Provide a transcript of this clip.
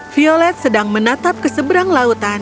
violet sedang menatap keseberang lautan